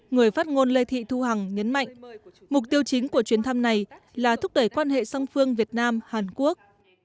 người phát ngôn lê thị thu hằng nhấn mạnh mục tiêu chính của chuyến thăm này là thúc đẩy quan hệ song phương việt nam hàn quốc